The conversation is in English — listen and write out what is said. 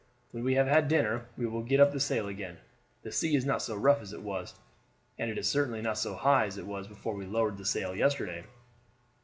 When we have had dinner we will get up the sail again. The sea is not so rough as it was, and it is certainly not so high as it was before we lowered the sail yesterday."